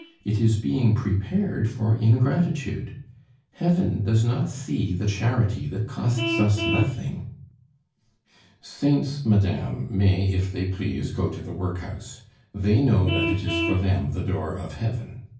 It is being prepared for ingratitude! Heaven does not see the charity that costs us nothing " "Saints, madame, may if they please go to the workhouse; they know that it is for them the door of heaven.